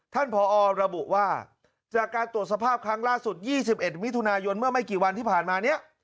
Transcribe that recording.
ผอระบุว่าจากการตรวจสภาพครั้งล่าสุด๒๑มิถุนายนเมื่อไม่กี่วันที่ผ่านมาเนี่ย